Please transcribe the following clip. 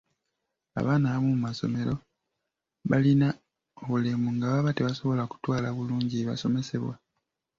Abaana abamu mu ssomero balina obulemu nga baba tebasobola kwatula bulungi bibasomesebwa.